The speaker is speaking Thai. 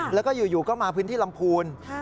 แล้วก็อยู่ก็มาพื้นที่ลำพูน